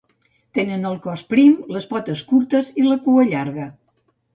Tenen el cos prim, les potes curtes, i la cua llarga.